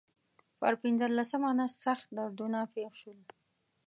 پر پنځلسمه نس سخت دردونه پېښ شول.